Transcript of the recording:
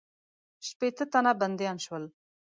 شپېته تنه بندیان شول.